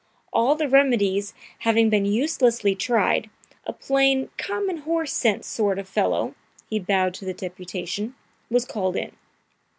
All the remedies having been uselessly tried, a plain, common horse sense sort of a fellow (he bowed to the deputation) was called in.